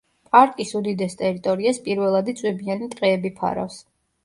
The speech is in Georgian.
პარკის უდიდეს ტერიტორიას პირველადი წვიმიანი ტყეები ფარავს.